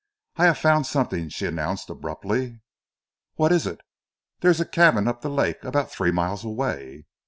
"I have found something," she announced abruptly. "What is it?" "There is a cabin up the lake, about three miles away."